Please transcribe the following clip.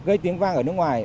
gây tiếng vang ở nước ngoài